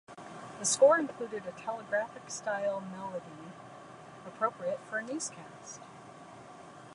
The score included a telegraphic-style melody appropriate for a newscast.